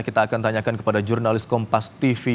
kita akan tanyakan kepada jurnalis kompas tv